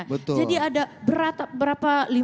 jadi ada berapa